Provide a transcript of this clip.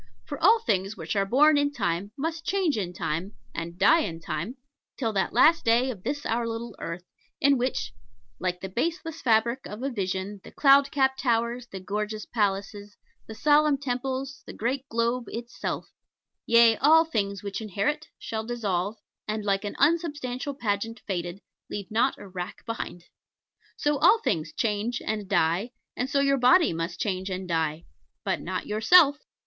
For all things which are born in Time must change in Time, and die in Time, till that Last Day of this our little earth, in which, "Like to the baseless fabric of a vision, The cloud capped towers, the gorgeous palaces, The solemn temples, the great globe itself, Yea, all things which inherit, shall dissolve, And, like an unsubstantial pageant faded, Leave not a rack behind." So all things change and die, and so your body too must change and die but not yourself.